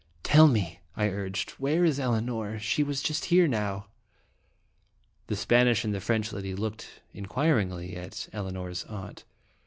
" Tell me," I urged, "where is Elinor? She was here just now." The Spanish and the French lady looked in quiringly at Elinor's aunt.